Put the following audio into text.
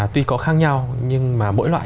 tuy có khác nhau nhưng mà mỗi loại